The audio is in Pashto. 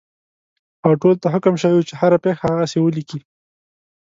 او ټولو ته حکم شوی وو چې هره پېښه هغسې ولیکي.